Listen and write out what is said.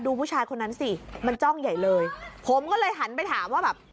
ผู้ชายคนนั้นสิมันจ้องใหญ่เลยผมก็เลยหันไปถามว่าแบบ